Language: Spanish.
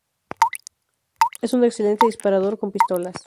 Es un excelente disparador con pistolas.